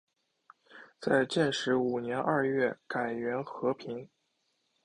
在建始五年二月改元河平。